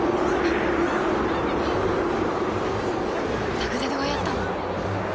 ダグデドがやったの？